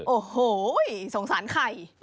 โอ้โหสงสันไข่